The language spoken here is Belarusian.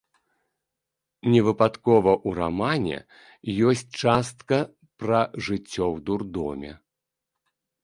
Невыпадкова ў рамане ёсць частка пра жыццё ў дурдоме.